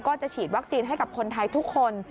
ก็จะฉีดวัคซีนให้กับคนไทยทุกคน